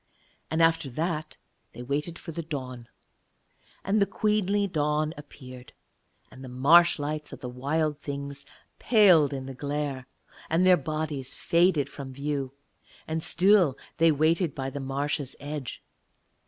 And after that they waited for the dawn. And the queenly dawn appeared, and the marsh lights of the Wild Things paled in the glare, and their bodies faded from view; and still they waited by the marsh's edge.